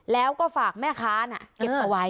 แล้วก็ฝากแม่ค้าเก็บเอาไว้